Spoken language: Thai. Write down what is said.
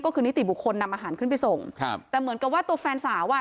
ก็คือนิติบุคคลนำอาหารขึ้นไปส่งครับแต่เหมือนกับว่าตัวแฟนสาวอ่ะ